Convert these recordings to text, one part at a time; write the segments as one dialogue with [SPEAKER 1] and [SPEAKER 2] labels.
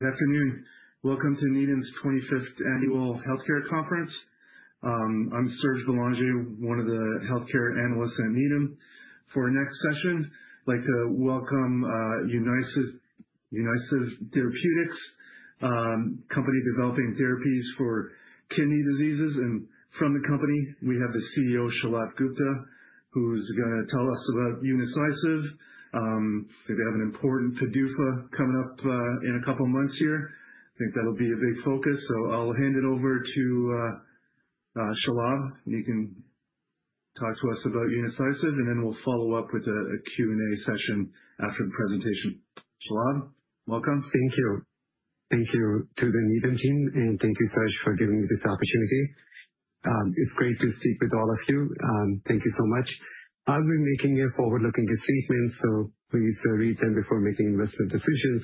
[SPEAKER 1] Good afternoon. Welcome to Needham & Company's 25th Annual Healthcare Conference. I'm Serge Belanger, one of the healthcare analysts at Needham & Company. For our next session, I'd like to welcome Unicycive Therapeutics, a company developing therapies for kidney diseases. From the company, we have the CEO, Shalabh Gupta, who's going to tell us about Unicycive. They have an important PDUFA coming up in a couple of months here. I think that'll be a big focus. I'll hand it over to Shalabh, and you can talk to us about Unicycive, and then we'll follow up with a Q&A session after the presentation. Shalabh, welcome.
[SPEAKER 2] Thank you. Thank you to the Needham team, thank you, Serge, for giving me this opportunity. It's great to speak with all of you. Thank you so much. I'll be making a forward-looking statement, please read them before making investment decisions.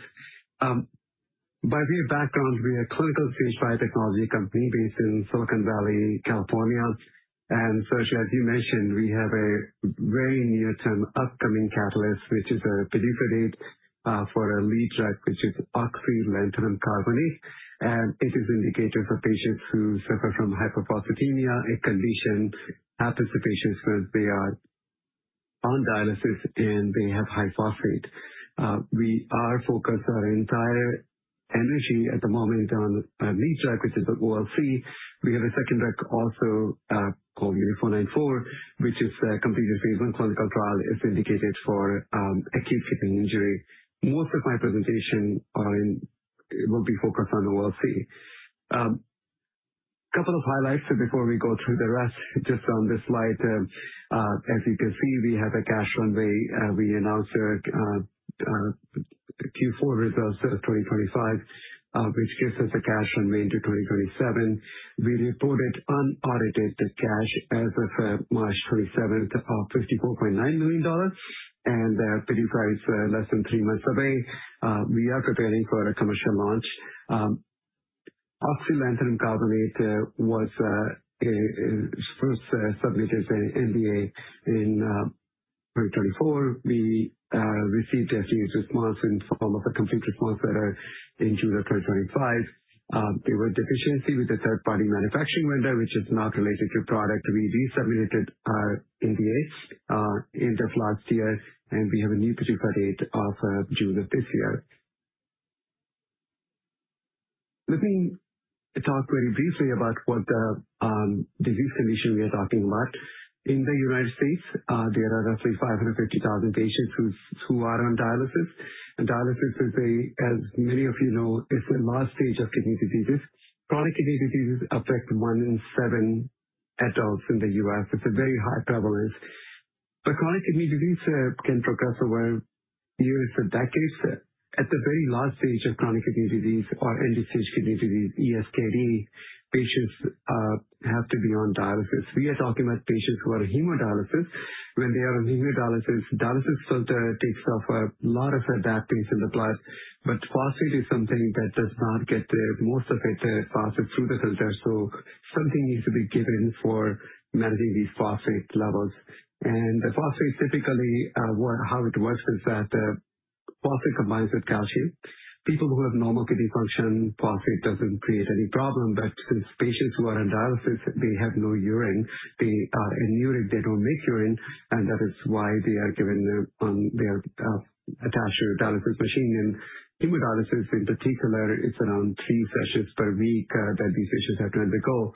[SPEAKER 2] By way of background, we are a clinical-stage biotechnology company based in Silicon Valley, California. Serge, as you mentioned, we have a very near-term upcoming catalyst, which is a PDUFA date for a lead drug, which is oxylanthanum carbonate. It is indicated for patients who suffer from hyperphosphatemia, a condition happens to patients when they are on dialysis and they have high phosphate. We are focused our entire energy at the moment on a lead drug, which is OLC. We have a second drug also, called UNI-494, which is a complete response clinical trial. It's indicated for acute kidney injury. Most of my presentation will be focused on OLC. A couple of highlights before we go through the rest, just on this slide. As you can see, we have a cash runway. We announced our Q4 results of 2025, which gives us a cash runway into 2027. We reported unaudited cash as of March 27th of $54.9 million. The PDUFA is less than three months away. We are preparing for a commercial launch. oxylanthanum carbonate was first submitted to the NDA in 2024. We received FDA's response in the form of a complete response letter in June of 2025. There was deficiency with the third-party manufacturing vendor, which is not related to product. We resubmitted our NDA end of last year, and we have a new PDUFA date of June of this year. Let me talk very briefly about what the disease condition we are talking about. In the U.S., there are roughly 550,000 patients who are on dialysis. Dialysis is, as many of you know, it's the last stage of kidney diseases. Chronic kidney diseases affect one in seven adults in the U.S. It's a very high prevalence. Chronic kidney disease can progress over years and decades. At the very last stage of chronic kidney disease or end-stage kidney disease, ESKD, patients have to be on dialysis. We are talking about patients who are on hemodialysis. When they are on hemodialysis, dialysis filter takes off a lot of bad things in the blood. Phosphate is something that does not get. Most of it passes through the filter, so something needs to be given for managing these phosphate levels. The phosphate typically, how it works is that phosphate combines with calcium. People who have normal kidney function, phosphate doesn't create any problem. Since patients who are on dialysis, they have no urine. They are anuric. They don't make urine, that is why they are given their attached dialysis machine. In hemodialysis, in particular, it's around three sessions per week that these patients have to undergo.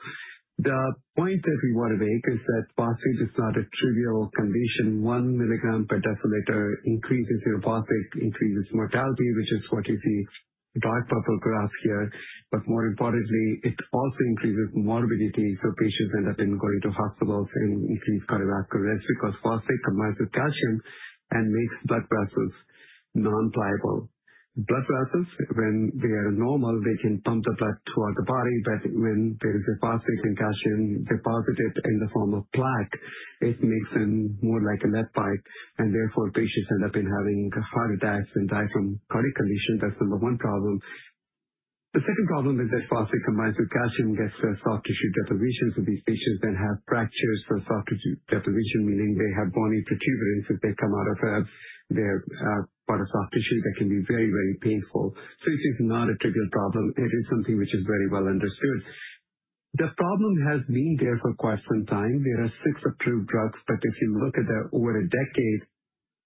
[SPEAKER 2] The point that we want to make is that phosphate is not a trivial condition. 1 mg/dL increase in serum phosphate increases mortality, which is what you see, dark purple graph here. More importantly, it also increases morbidity, patients end up in going to hospitals, increased cardiovascular risk because phosphate combines with calcium and makes blood vessels non-pliable. Blood vessels, when they are normal, they can pump the blood throughout the body. When there is a phosphate and calcium deposited in the form of plaque, it makes them more like a lead pipe, and therefore, patients end up in having heart attacks and die from chronic conditions. That's number one problem. The second problem is that phosphate combines with calcium, gets soft tissue depositions. These patients then have fractures or soft tissue deposition, meaning they have bony protuberance that they come out of their part of soft tissue that can be very, very painful. It is not a trivial problem. It is something which is very well understood. The problem has been there for quite some time. There are six approved drugs, but if you look at that over a decade,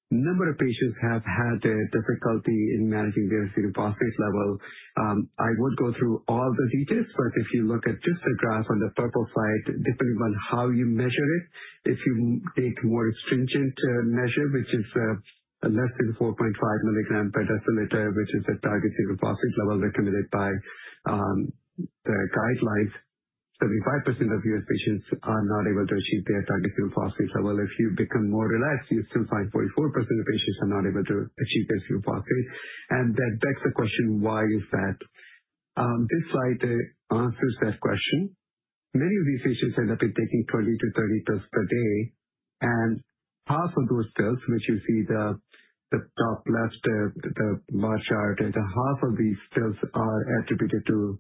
[SPEAKER 2] number of patients have had a difficulty in managing their serum phosphate level. I won't go through all the details. If you look at just the graph on the purple side, depending on how you measure it, if you take more stringent measure, which is less than 4.5 mg/dL, which is a target serum phosphate level recommended by the guidelines, 75% of U.S. patients are not able to achieve their target serum phosphate level. If you become more relaxed, you still find 44% of patients are not able to achieve their serum phosphate. That begs the question, why is that? This slide answers that question. Many of these patients end up taking 20-30 pills per day, and half of those pills, which you see the top left, the bar chart, half of these pills are attributed to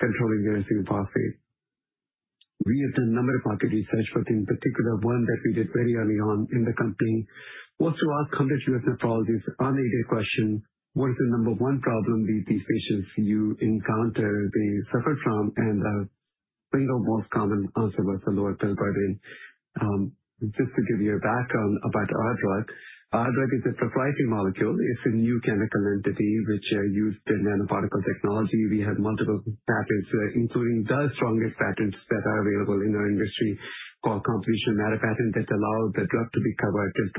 [SPEAKER 2] controlling their serum phosphate. We have done a number of market research, but in particular, one that we did very early on in the company was to ask conventional nephrologists one immediate question. What is the number one problem these patients you encounter, they suffer from? The single most common answer was the lower pill burden. Just to give you a background about our drug. Our drug is a proprietary molecule. It's a new chemical entity, which used the nanoparticle technology. We have multiple patents, including the strongest patents that are available in our industry, called composition of matter patent, that allow the drug to be covered till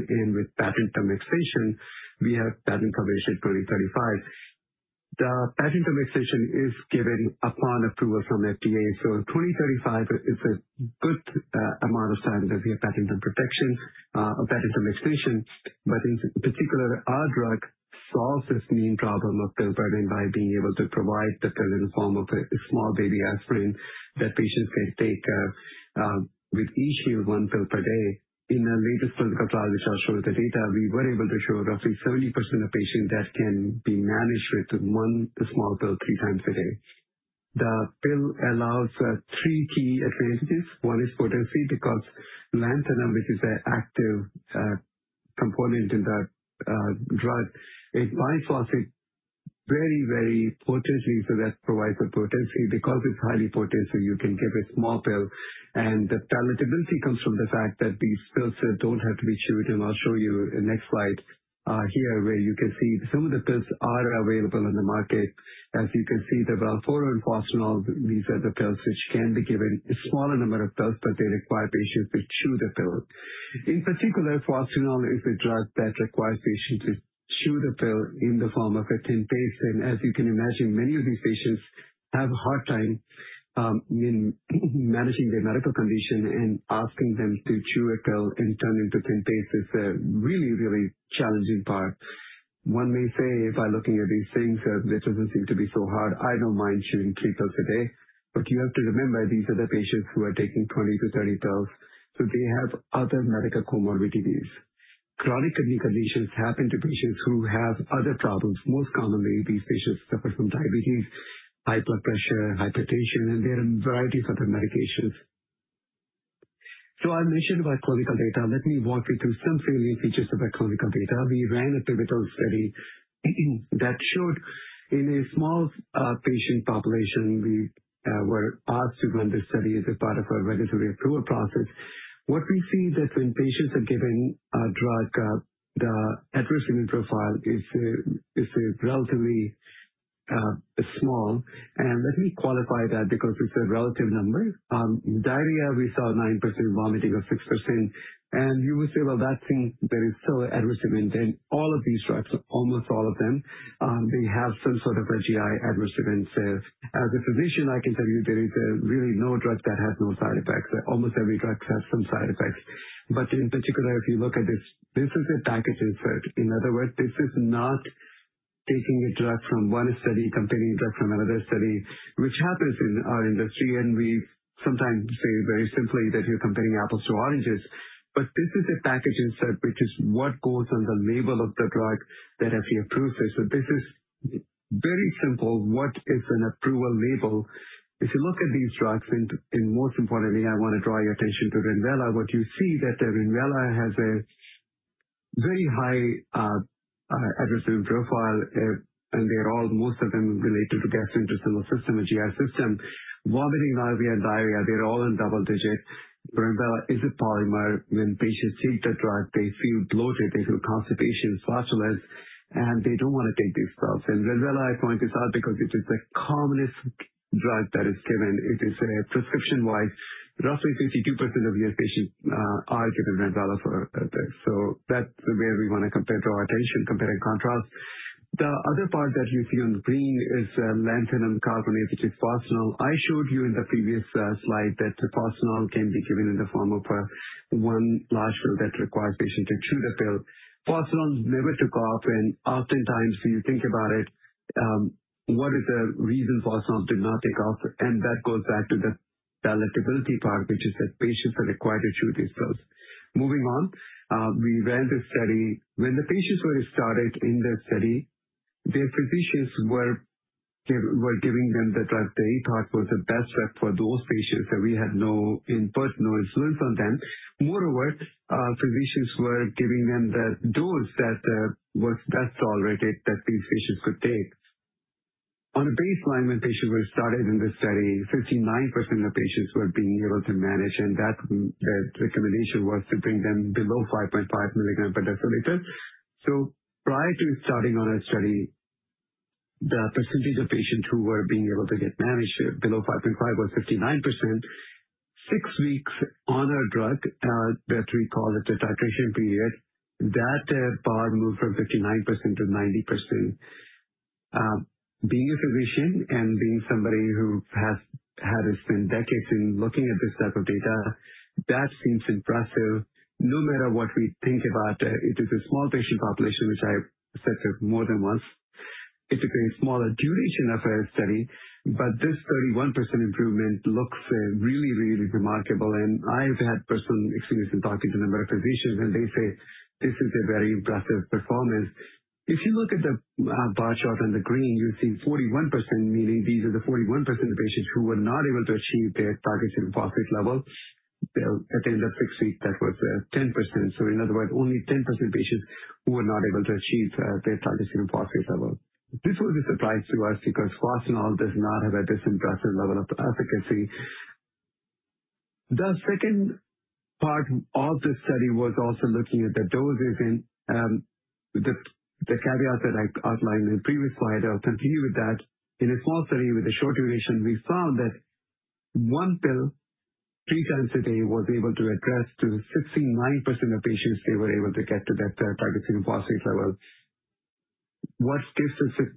[SPEAKER 2] 2031. With patent term extension, we have patent coverage till 2035. The patent term extension is given upon approval from FDA. 2035 is a good amount of time that we have patent term protection, or patent term extension. In particular, our drug solves this main problem of pill burden by being able to provide the pill in the form of a small baby aspirin that patients can take with each meal, one pill per day. In our latest clinical trial, which I'll show you the data, we were able to show roughly 70% of patients that can be managed with one small pill three times a day. The pill allows three key advantages. One is potency, because lanthanum, which is an active component in the drug, it binds phosphate very potently. That provides the potency. Because it's highly potent, you can give a small pill. The palatability comes from the fact that these pills don't have to be chewed. I'll show you in next slide, here where you can see some of the pills are available on the market. As you can see, the Velphoro and Fosrenol, these are the pills which can be given a smaller number of pills, but they require patients to chew the pill. In particular, Fosrenol is a drug that requires patients to chew the pill in the form of a thin paste. As you can imagine, many of these patients have a hard time managing their medical condition and asking them to chew a pill and turn into thin paste is a really challenging part. One may say by looking at these things, that this doesn't seem to be so hard. I don't mind chewing three pills a day. You have to remember, these are the patients who are taking 20-30 pills. They have other medical comorbidities. Chronic kidney conditions tap into patients who have other problems. Most commonly, these patients suffer from diabetes, high blood pressure, hypertension, and they are on a variety of other medications. I mentioned about clinical data. Let me walk you through some salient features of our clinical data. We ran a pivotal study that showed in a small patient population, we were asked to run this study as a part of our regulatory approval process. What we see that when patients are given our drug, the adverse event profile is relatively small. Let me qualify that, because it's a relative number. Diarrhea, we saw 9%, vomiting was 6%. You would say, Well, that seems very subtle adverse event. In all of these drugs, almost all of them, they have some sort of a GI adverse events. As a physician, I can tell you there is really no drug that has no side effects. Almost every drug has some side effects. In particular, if you look at this is a package insert. In other words, this is not taking a drug from one study, comparing a drug from another study, which happens in our industry. We sometimes say very simply that you're comparing apples to oranges. This is a package insert, which is what goes on the label of the drug that has the approval. This is very simple. What is an approval label? If you look at these drugs, and most importantly, I want to draw your attention to Renvela. What you see that the Renvela has a very high adverse event profile. They're all, most of them related to gastrointestinal system and GI system. Vomiting, nausea, and diarrhea, they're all in double digits. Renvela is a polymer. When patients take the drug, they feel bloated, they feel constipation, flatulence, and they don't want to take these pills. Renvela, I point this out because it is the commonest drug that is given. It is a prescription-wide. Roughly 52% of your patients are given Renvela for this. That's the way we want to compare, draw attention, compare and contrast. The other part that you see on green is lanthanum carbonate, which is Fosrenol. I showed you in the previous slide that the Fosrenol can be given in the form of one large pill that require patient to chew the pill. Fosrenol never took off, oftentimes when you think about it, what is the reason Fosrenol did not take off? That goes back to the palatability part, which is that patients are required to chew these pills. Moving on. We ran a study. When the patients were started in the study, their physicians were giving them the drug they thought was the best fit for those patients. We had no input, no influence on them. Moreover, physicians were giving them the dose that was best tolerated that these patients could take. On a baseline when patients were started in this study, 59% of patients were being able to manage, and that the recommendation was to bring them below 5.5 mg/dL. Prior to starting on our study, the percentage of patients who were being able to get managed below 5.5 mg/dL was 59%. Six weeks on our drug, that we call it a titration period, that bar moved from 59% to 90%. Being a physician and being somebody who has spent decades in looking at this type of data, that seems impressive. No matter what we think about it is a small patient population, which I said it more than once. It's a very smaller duration of a study. This 31% improvement looks really, really remarkable. I've had personal experience in talking to a number of physicians, and they say this is a very impressive performance. If you look at the bar chart in the green, you'll see 41%, meaning these are the 41% of patients who were not able to achieve their targeted phosphate level. They'll attain the fixed rate that was 10%. In other words, only 10% of patients who were not able to achieve their target serum phosphate level. This was a surprise to us because Fosrenol does not have a disappointing level of efficacy. The second part of the study was also looking at the dosage, and the caveat that I outlined in the previous slide. I'll continue with that. In a small study with a short duration, we saw that one pill three times a day was able to address to 69% of patients, they were able to get to that target serum phosphate level. What gives us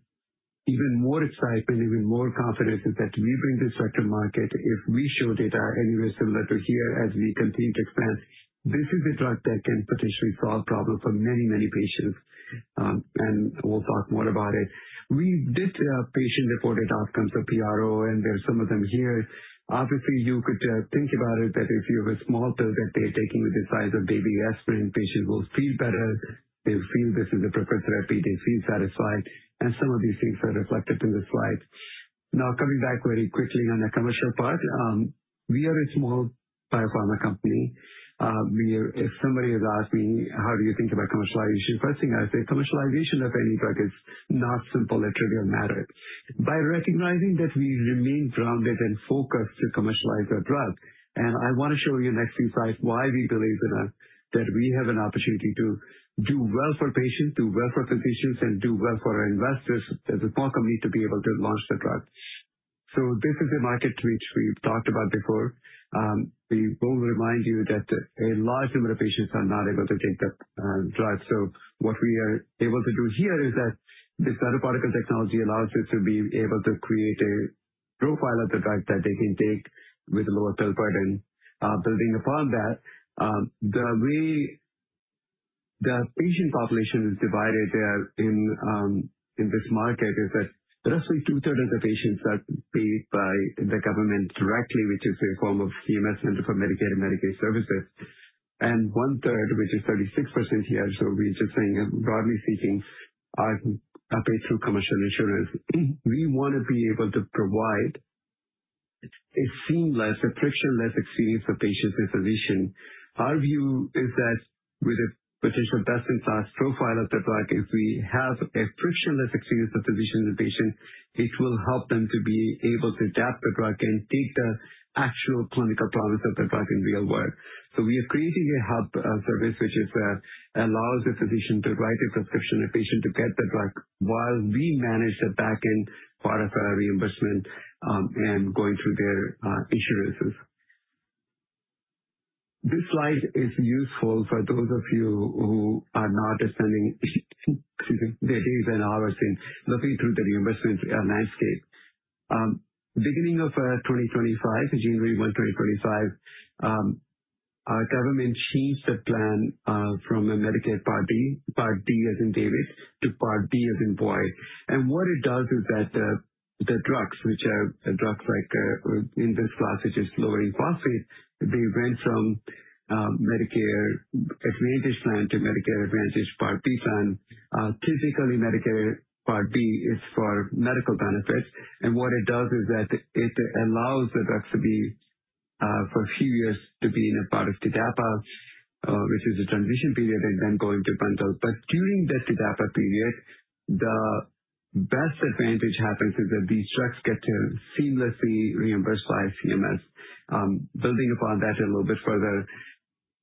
[SPEAKER 2] even more excitement, even more confidence, is that we bring this to market, if we show data anywhere similar to here as we continue to expand, this is a drug that can potentially solve problems for many, many patients. We'll talk more about it. We did a patient-reported outcome, so PRO. There are some of them here. Obviously, you could think about it that if you have a small pill that they're taking with the size of baby aspirin, patients will feel better. They feel this is a preferred therapy. They feel satisfied. Some of these things are reflected in the slides. Coming back very quickly on the commercial part. We are a small biopharma company. If somebody has asked me how do you think about commercialization, first thing I say, commercialization of any drug is not simple or trivial matter. By recognizing that we remain grounded and focused to commercialize the drug. I want to show you in the next few slides why we believe in us, that we have an opportunity to do well for patients, do well for physicians, and do well for our investors as a small company to be able to launch the drug. This is a market which we've talked about before. We will remind you that a large number of patients are not able to take the drug. What we are able to do here is that this nanoparticle technology allows us to be able to create a profile of the drug that they can take with a lower pill burden. Building upon that, the way the patient population is divided in this market is that roughly two-thirds of the patients are paid by the government directly, which is a form of CMS, Centers for Medicare & Medicaid Services, and one-third, which is 36% here. We're just saying, broadly speaking, are paid through commercial insurance. We want to be able to provide a seamless and frictionless experience for patients and physicians. Our view is that with a potential best-in-class profile of the drug, if we have a frictionless experience for physicians and patients, it will help them to be able to adapt the drug and take the actual clinical promise of the drug in real world. We are creating a hub service which allows the physician to write a prescription, a patient to get the drug, while we manage the back end part of our reimbursement and going through their insurances. This slide is useful for those of you who are not spending excuse me, their days and hours in looking through the reimbursement landscape. Beginning of 2025, January 1, 2025, our government changed the plan from a Medicare Part D, Part D as in David, to Part B, as in boy. What it does is that the drugs, which are drugs like in this class, which is lowering phosphate, they went from Medicare Advantage plan to Medicare Advantage Part D plan. Typically, Medicare Part D is for medical benefits, and what it does is that it allows the drug to be, for a few years, to be in a part of TDAPA, which is a transition period, and then going to bundled. During that TDAPA period, the best advantage happens is that these drugs get to seamlessly reimburse by CMS. Building upon that a little bit further,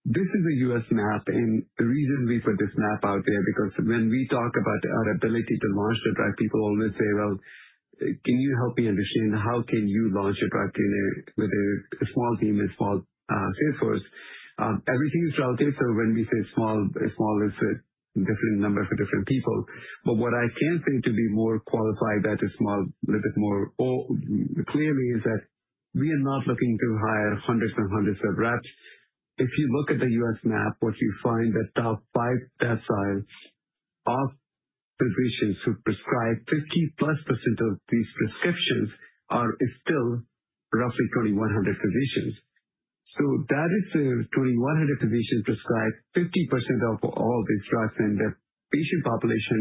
[SPEAKER 2] this is a U.S. map, and the reason we put this map out there, because when we talk about our ability to launch the drug, people always say, Well, can you help me understand how can you launch a drug with a small team and small sales force? Everything is relative. When we say small is a different number for different people. What I can say to be more qualified, that is small, a little bit more clearly, is that we are not looking to hire hundreds and hundreds of reps. If you look at the U.S. map, what you find the top five deciles of physicians who prescribe 50%+ of these prescriptions are still roughly 2,100 physicians. That is 2,100 physicians prescribe 50% of all these drugs in the patient population.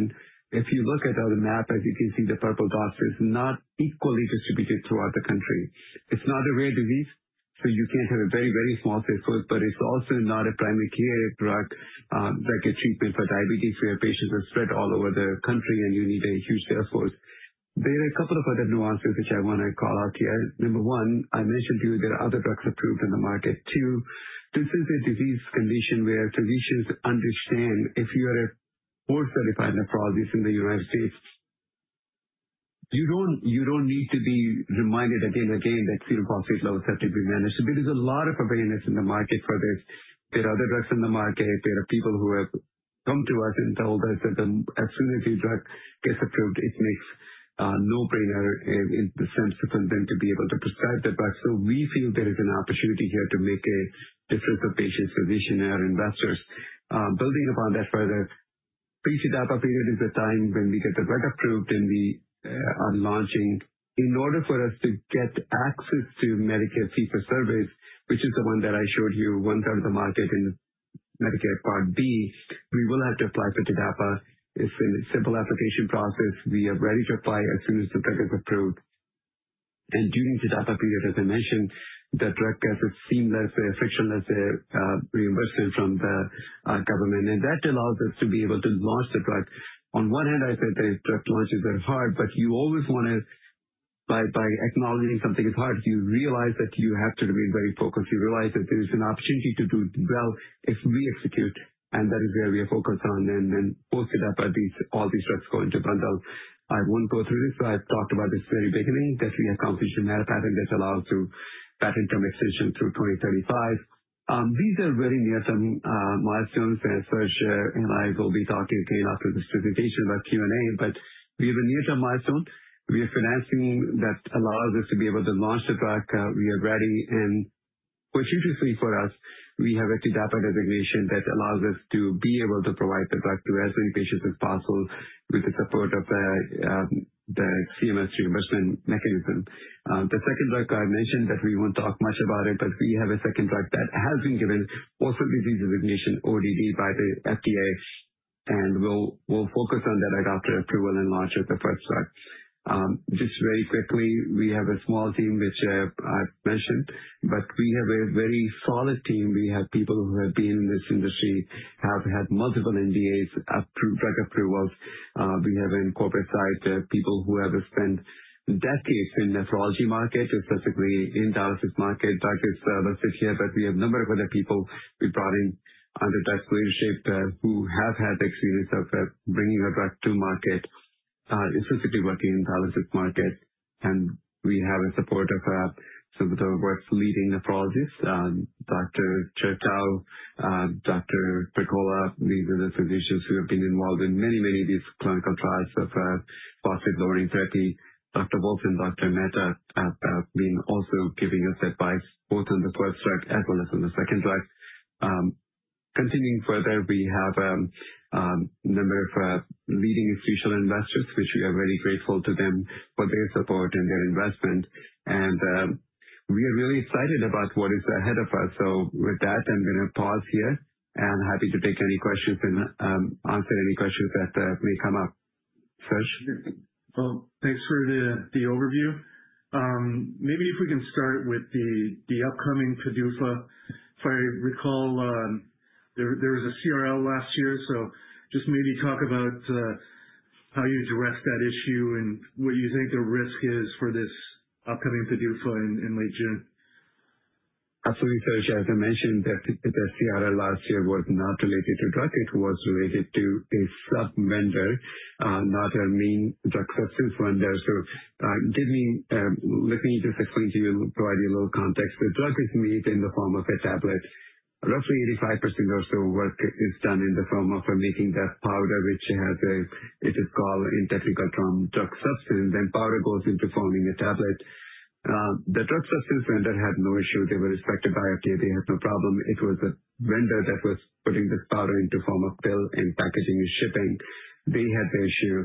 [SPEAKER 2] If you look at the map, as you can see, the purple dots is not equally distributed throughout the country. It's not a rare disease, so you can't have a very, very small sales force. It's also not a primary care drug like a treatment for diabetes, where patients are spread all over the country and you need a huge sales force. There are a couple of other nuances which I want to call out here. Number one, I mentioned to you there are other drugs approved in the market. Two, this is a disease condition where physicians understand if you are a board-certified nephrologist in the U.S., you don't need to be reminded again and again that serum phosphate levels have to be managed. There is a lot of awareness in the market for this. There are other drugs in the market. There are people who have come to us and told us that as soon as the drug gets approved, it makes no brainer in the sense for them to be able to prescribe the drug. We feel there is an opportunity here to make a difference for patients, physicians, and our investors. Building upon that further, pre-TDAPA period is the time when we get the drug approved and we are launching. In order for us to get access to Medicare Fee-for-Service, which is the one that I showed you one-third of the market and Medicare Part B, we will have to apply for TDAPA. It's a simple application process. We are ready to apply as soon as the drug is approved. During the TDAPA period, as I mentioned, the drug has a seamless, frictionless reimbursement from the government, and that allows us to be able to launch the drug. On one hand, I said that drug launches are hard, but by acknowledging something is hard, you realize that you have to remain very focused. You realize that there is an opportunity to do well if we execute, and that is where we are focused on. Post TDAPA, all these drugs go into bundle. I won't go through this. I talked about this very beginning, that we accomplished a composition of matter patent that allows to patent term extension through 2035. These are very near-term milestones, and Serge and I will be talking again after this presentation about Q&A. We have a near-term milestone. We have financing that allows us to be able to launch the drug. We are ready. What's usually for us, we have a TDAPA designation that allows us to be able to provide the drug to as many patients as possible with the support of the CMS reimbursement mechanism. The second drug I mentioned that we won't talk much about it, but we have a second drug that has been given possibly the designation, ODD, by the FDA, and we'll focus on that after approval and launch of the first drug. Just very quickly, we have a small team, which I've mentioned, but we have a very solid team. We have people who have been in this industry, have had multiple NDAs, approved drug approvals. We have in corporate side, people who have spent decades in nephrology market and specifically in dialysis market. Drug is listed here, but we have a number of other people we brought in under drug leadership who have had the experience of bringing a drug to market, specifically working in dialysis market. We have a support of some of the world's leading nephrologists. Dr. Chertow, Dr. Pergola. These are the physicians who have been involved in many of these clinical trials of phosphate-lowering therapy. Dr. Wolf and Dr. Mehta have been also giving us advice both on the first drug as well as on the second drug. Continuing further, we have a number of leading institutional investors, which we are very grateful to them for their support and their investment. We are really excited about what is ahead of us. With that, I'm going to pause here and happy to take any questions and answer any questions that may come up. Serge?
[SPEAKER 1] Well, thanks for the overview. Maybe if we can start with the upcoming PDUFA. If I recall, there was a CRL last year, so just maybe talk about how you addressed that issue and what you think the risk is for this upcoming PDUFA in late June.
[SPEAKER 2] Absolutely, Serge. As I mentioned, the CRL last year was not related to drug. It was related to a subvendor, not our main drug substance vendor. Let me just explain to you and provide you a little context. The drug is made in the form of a tablet. Roughly 85% or so work is done in the form of making that powder, which it is called in technical term, drug substance. Powder goes into forming a tablet. The drug substance vendor had no issue. They were inspected by FDA. They had no problem. It was a vendor that was putting this powder into form of pill and packaging and shipping. They had the issue.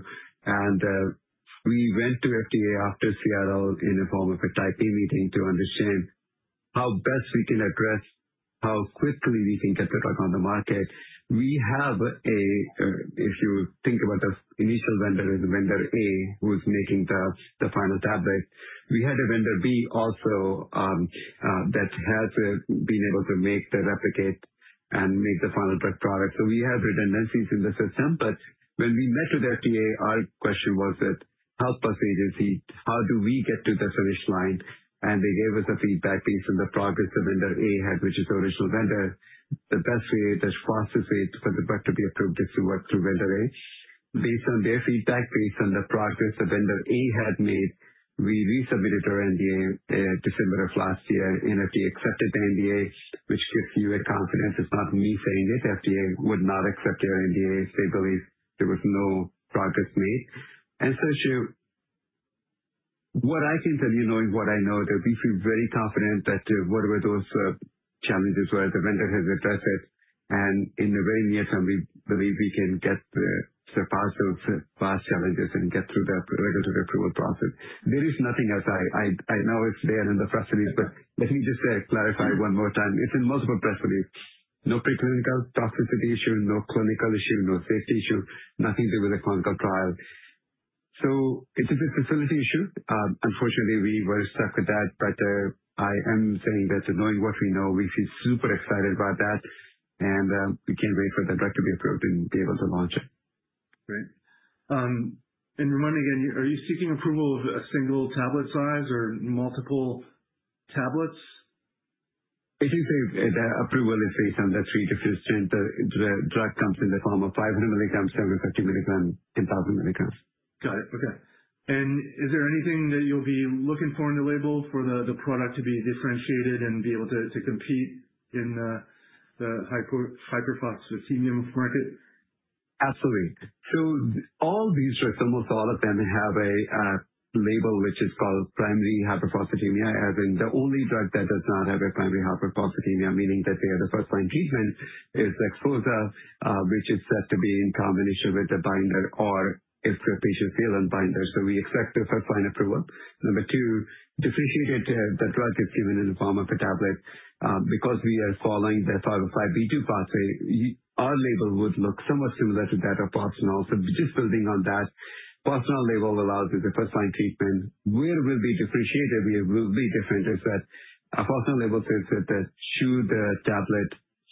[SPEAKER 2] We went to FDA after CRL in the form of a Type A meeting to understand how best we can address, how quickly we can get the drug on the market. If you think about the initial vendor as Vendor A, who is making the final tablet, we had a Vendor B also that has been able to make the replicate and make the final drug product. When we met with FDA, our question was that, Help us, agency. How do we get to the finish line? They gave us a feedback based on the progress the Vendor A had, which is the original vendor. The best way, the fastest way for the drug to be approved is to work through Vendor A. Based on their feedback, based on the progress the Vendor A had made, we resubmitted our NDA December of last year, and FDA accepted the NDA, which gives you a confidence. It's not me saying it. FDA would not accept your NDA if they believe there was no progress made. Serge, what I can tell you, knowing what I know, that we feel very confident that whatever those challenges were, the vendor has addressed it, and in the very near term, we believe we can get past those past challenges and get through the regulatory approval process. There is nothing, as I know it's there in the facilities, but let me just clarify one more time. It's in multiple facilities. No preclinical toxicity issue, no clinical issue, no safety issue, nothing with the clinical trial. It is a facility issue. Unfortunately, we were stuck with that. I am saying that knowing what we know, we feel super excited about that, and we can't wait for the drug to be approved and be able to launch it.
[SPEAKER 1] Great. Remind me again, are you seeking approval of a single tablet size or multiple tablets?
[SPEAKER 2] If you say the approval is based on the three different strengths. The drug comes in the form of 500 mg, 750 mg, 1,000 mg.
[SPEAKER 1] Got it. Okay. Is there anything that you'll be looking for in the label for the product to be differentiated and be able to compete in the hyperphosphatemia market?
[SPEAKER 2] Absolutely. All these drugs, almost all of them, have a label which is called primary hyperphosphatemia, as in the only drug that does not have a primary hyperphosphatemia, meaning that they are the first-line treatment, is Velphoro, which is set to be in combination with a binder or if the patient fail on binder. We expect a first-line approval. Number two, differentiated, the drug is given in the form of a tablet. Because we are following the 505(b)(2) pathway, our label would look somewhat similar to that of Fosrenol. Just building on that, Fosrenol label allows it the first-line treatment. Where we'll be differentiated, we will be different is that our Fosrenol label says that chew the tablet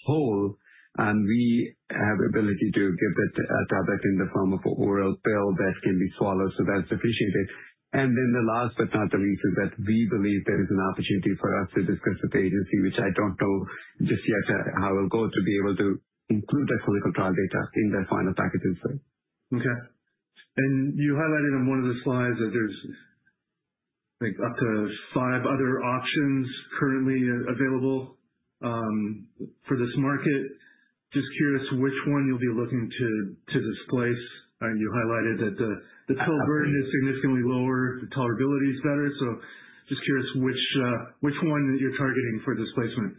[SPEAKER 2] whole, and we have ability to give that tablet in the form of an oral pill that can be swallowed, so that's appreciated. The last but not the least is that we believe there is an opportunity for us to discuss with the agency, which I don't know just yet how it will go, to be able to include that clinical trial data in the final package insert.
[SPEAKER 1] Okay. You highlighted on one of the slides that there is up to five other options currently available for this market. Just curious which one you will be looking to displace. You highlighted that the pill version is significantly lower, the tolerability is better. Just curious which one you are targeting for displacement.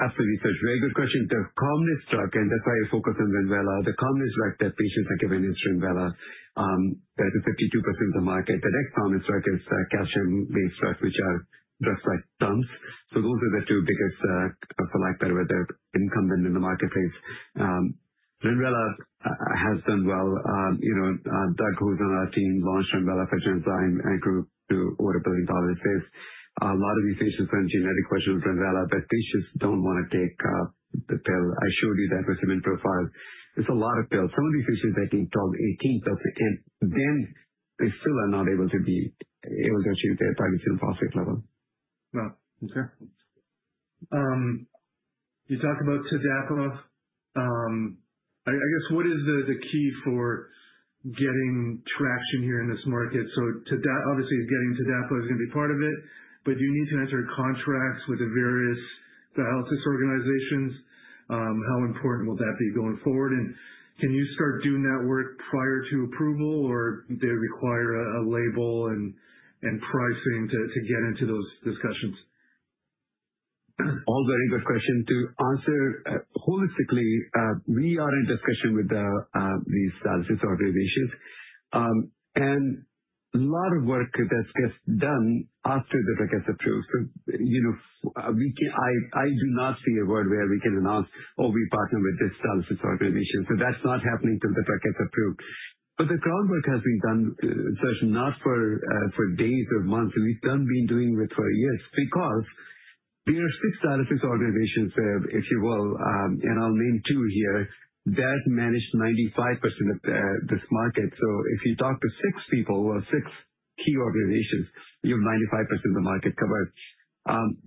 [SPEAKER 2] Absolutely, Serge. Very good question. The commonest drug, that's why I focus on Renvela. The commonest drug that patients are given is Renvela. That is 52% of the market. The next commonest drug is a calcium-based drug, which are drugs like TUMS. Those are the two biggest competitors incumbent in the marketplace. Renvela has done well. Doug, who's on our team, launched Renvela for Genzyme and grew to over a billion-dollar sales. A lot of these patients are on generic version of Renvela, but patients don't want to take the pill. I showed you that with seven profiles. It's a lot of pills. Some of these patients are taking 12-18 pills a day, then they still are not able to achieve their target serum phosphate level.
[SPEAKER 1] Wow. Okay. You talked about TDAPA. I guess, what is the key for getting traction here in this market? Obviously getting TDAPA is going to be part of it, but you need to enter contracts with the various dialysis organizations. How important will that be going forward? Can you start doing that work prior to approval, or do they require a label and pricing to get into those discussions?
[SPEAKER 2] All very good question. To answer holistically, we are in discussion with these dialysis organizations. Lot of work that gets done after the drug gets approved. I do not see a world where we can announce, Oh, we partner with this dialysis organization. That's not happening till the drug gets approved. The groundwork has been done, Serge, not for days or months. We've been doing it for years because there are six dialysis organizations, if you will, and I'll name two here, that manage 95% of this market. If you talk to six people or six key organizations, you have 95% of the market covered.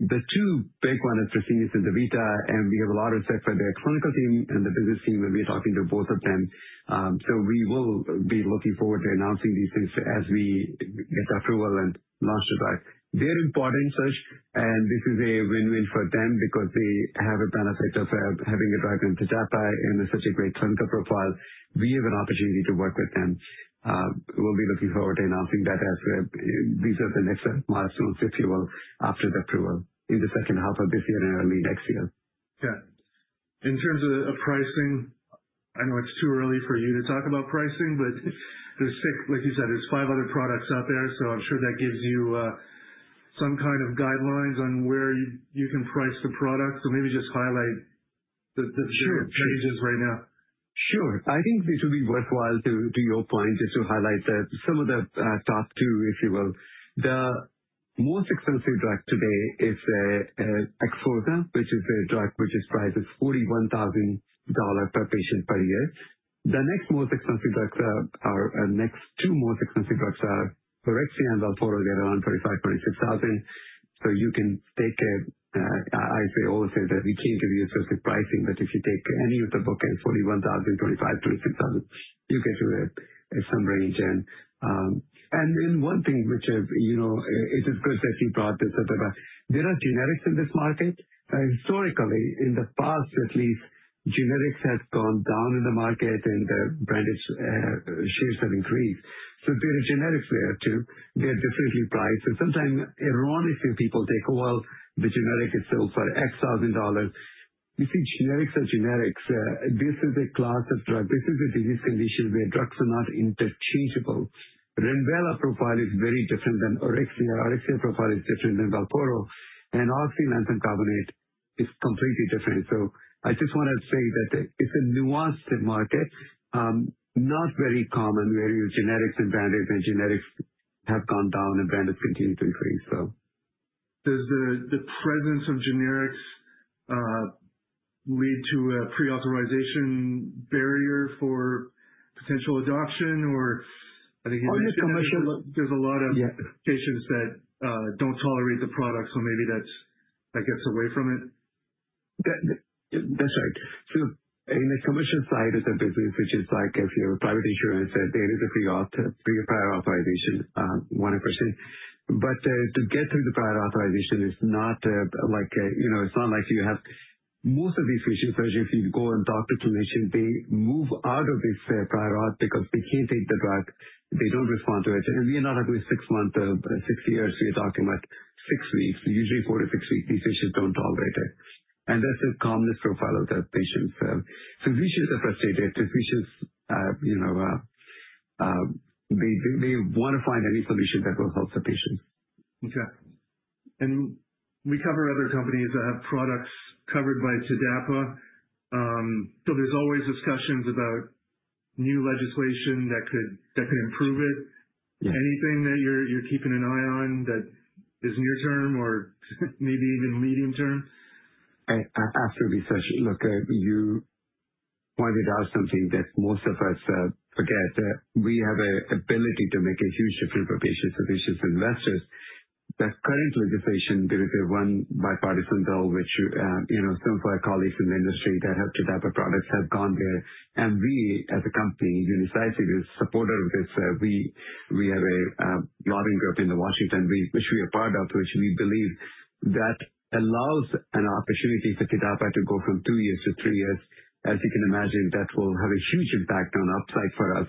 [SPEAKER 2] The two big ones are Fresenius and DaVita, and we have a lot of respect for their clinical team and the business team, and we're talking to both of them. We will be looking forward to announcing these things as we get approval and launch the drug. They're important, Serge, and this is a win-win for them because they have a benefit of having a drug in TDAPA and such a great clinical profile. We have an opportunity to work with them. We'll be looking forward to announcing that as these are the next milestones, if you will, after the approval in the second half of this year and early next year.
[SPEAKER 1] Yeah. In terms of pricing, I know it's too early for you to talk about pricing. Like you said, there's five other products out there, I'm sure that gives you some kind of guidelines on where you can price the product.
[SPEAKER 2] Sure.
[SPEAKER 1] Maybe just highlight the ranges right now.
[SPEAKER 2] Sure. I think it will be worthwhile to your point, just to highlight some of the top two, if you will. The most expensive drug today is Xphozah, which is a drug which is priced at $41,000 per patient per year. Our next two most expensive drugs are Auryxia and Velphoro that are around $45,000, $46,000. You can take I say all the time that we can't give you specific pricing, but if you take any of the book and $41,000, $45,000, $46,000, you get to some range. One thing which, it is good that you brought this up about. There are generics in this market. Historically, in the past at least, generics has gone down in the market and the branded shares have increased. There are generics there too. They are differently priced. Sometimes, ironically, people think, Well, the generic is sold for X thousand dollars. You see, generics are generics. This is a class of drug. This is a disease condition where drugs are not interchangeable. Renvela profile is very different than Auryxia. Auryxia profile is different than Velphoro. Oxylanthanum and carbonate is completely different. I just want to say that it's a nuanced market. Not very common where your generics and brand is, and generics have gone down and brand has continued to increase.
[SPEAKER 1] Does the presence of generics lead to a pre-authorization barrier for potential adoption or there's a lot of patients that don't tolerate the product, so maybe that gets away from it?
[SPEAKER 2] That's right. In the commercial side of the business, which is like if you're a private insurance, they need a pre-prior authorization, 100%. To get through the prior authorization, Most of these patients, Serge, if you go on doctor clinician, they move out of this prior auth because they can't take the drug, they don't respond to it. We are not talking six months or six years. We are talking about six weeks, usually four to six weeks. These patients don't tolerate it. That's the commonest profile of that patient. Physicians are frustrated. Physicians, they want to find any solution that will help the patient.
[SPEAKER 1] Okay. We cover other companies that have products covered by TDAPA. There's always discussions about new legislation that could improve it?
[SPEAKER 2] Yeah.
[SPEAKER 1] Anything that you're keeping an eye on that is near term or maybe even medium term?
[SPEAKER 2] Absolutely, Serge. Look, you pointed out something that most of us forget. We have an ability to make a huge difference for patients and investors. The current legislation, there is a one bipartisan bill which some of our colleagues in the industry that have TDAPA products have gone there. We as a company, Unicycive, is supportive of this. We have a lobbying group in Washington which we are part of, which we believe that allows an opportunity for TDAPA to go from two years to three years. As you can imagine, that will have a huge impact on upside for us,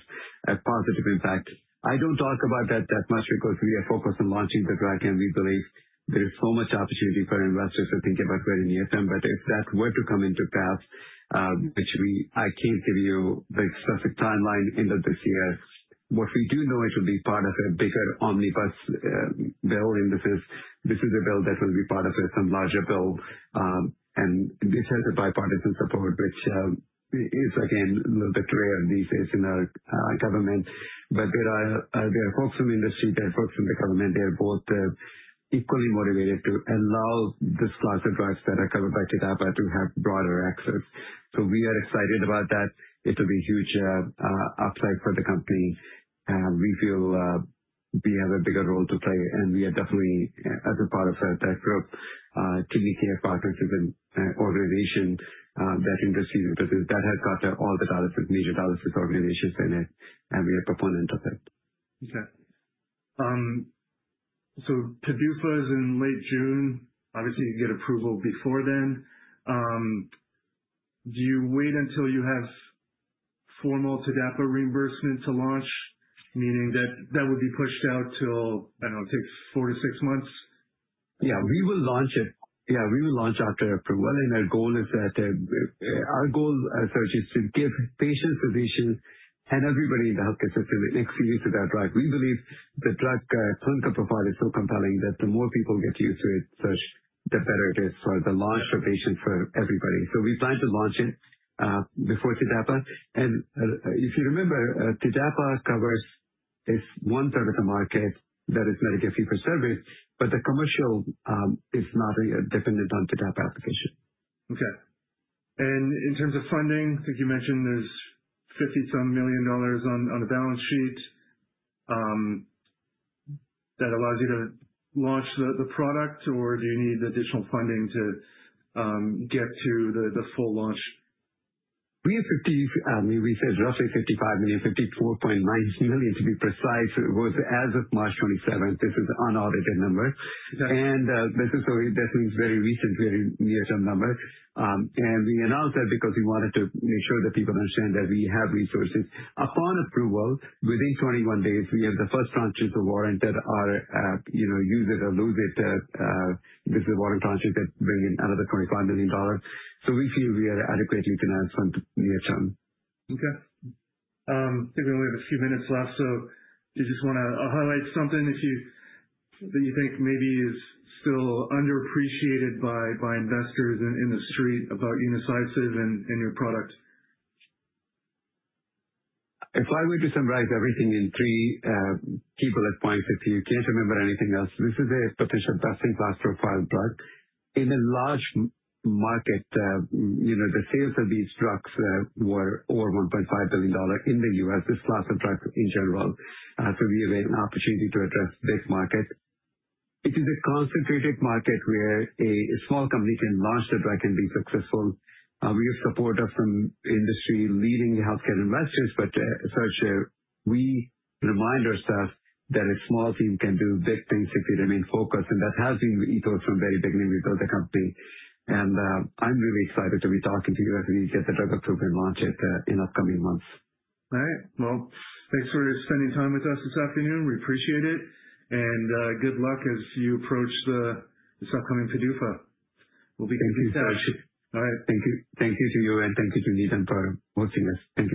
[SPEAKER 2] a positive impact. I don't talk about that that much because we are focused on launching the drug, and we believe there is so much opportunity for investors to think about very near-term. If that were to come into path, I can't give you the specific timeline end of this year. What we do know, it will be part of a bigger omnibus bill in the sense this is a bill that will be part of some larger bill. This has a bipartisan support, which is again, a little bit rare these days in our government. There are folks from industry, there are folks from the government. They are both equally motivated to allow this class of drugs that are covered by TDAPA to have broader access. We are excited about that. It will be huge upside for the company. We feel we have a bigger role to play. We are definitely as a part of that group. Kidney Care Partners is an organization that industry, that has got all the major dialysis organizations in it. We are proponent of it.
[SPEAKER 1] Okay. PDUFA is in late June. Obviously, you get approval before then. Do you wait until you have formal TDAPA reimbursement to launch? Meaning that will be pushed out till, I don't know, takes four to six months.
[SPEAKER 2] Yeah. We will launch after approval. Our goal, Serge, is to give patients, physicians, and everybody in the healthcare system access to that drug. We believe the drug clinical profile is so compelling that the more people get used to it, Serge, the better it is for the launch of patient for everybody. We plan to launch it before TDAPA. If you remember, TDAPA covers, it's one third of the market that is Medicare fee for service, but the commercial is not dependent on TDAPA application.
[SPEAKER 1] Okay. In terms of funding, I think you mentioned there's $50 some million on the balance sheet. That allows you to launch the product or do you need additional funding to get to the full launch?
[SPEAKER 2] We said roughly $55 million, $54.9 million to be precise, was as of March 27th. This is an unaudited number.
[SPEAKER 1] Got it.
[SPEAKER 2] This is very recent, very near-term number. We announced that because we wanted to make sure that people understand that we have resources. Upon approval, within 21 days, we have the first tranche of warrant that are use it or lose it with the warrant tranche that bring in another $25 million. We feel we are adequately financed for near term.
[SPEAKER 1] Okay. Think we only have a few minutes left. Do you just want to highlight something that you think maybe is still underappreciated by investors in the street about Unicycive and your product?
[SPEAKER 2] If I were to summarize everything in three key bullet points, if you can't remember anything else, this is a potential best-in-class profile drug in a large market. The sales of these drugs were over $1.5 billion in the U.S., this class of drugs in general. We have an opportunity to address this market. It is a concentrated market where a small company can launch the drug and be successful. We have support from industry-leading healthcare investors. Serge, we remind ourselves that a small team can do big things if we remain focused, and that has been the ethos from very beginning we built the company. I'm really excited to be talking to you as we get the drug approved and launch it in upcoming months.
[SPEAKER 1] All right. Well, thanks for spending time with us this afternoon. We appreciate it. Good luck as you approach this upcoming PDUFA. We'll be in touch.
[SPEAKER 2] Thank you, Serge.
[SPEAKER 1] All right.
[SPEAKER 2] Thank you to you, and thank you to Needham for hosting this. Thank you.